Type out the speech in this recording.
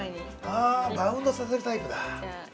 ◆あバウンドさせるタイプだ。